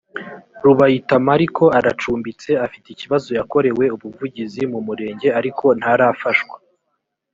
rubayita mariko aracumbitse afite ikibazo yakorewe ubuvugizi mu murenge ariko ntarafashwa